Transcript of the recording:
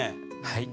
はい。